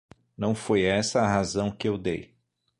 Não foi essa a razão que eu dei.